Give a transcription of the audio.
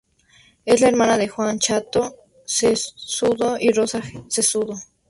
Es la hermana de Juan "Chato" Cejudo y Rosa Cejudo.